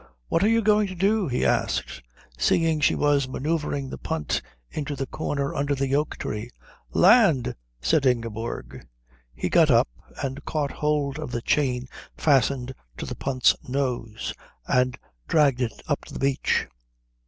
"What are you going to do?" he asked, seeing she was manoeuvring the punt into the corner under the oak tree. "Land," said Ingeborg. He got up and caught hold of the chain fastened to the punt's nose and dragged it up the beach.